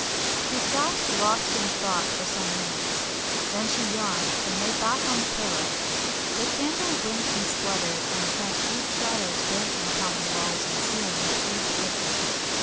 She sat lost in thought for some minutes, then she yawned and lay back on the pillow. The candle winked and spluttered and sent huge shadows dancing upon the walls and ceiling with each flicker.